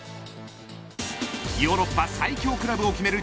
ヨーロッパ最強クラブを決める